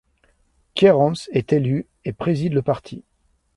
Kierans est élu et préside le parti.